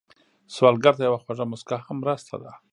سوالګر ته یوه خوږه مسکا هم مرسته ده